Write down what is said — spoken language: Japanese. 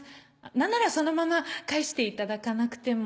何ならそのまま返していただかなくても。